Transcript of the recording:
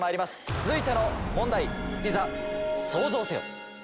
続いての問題いざソウゾウせよ。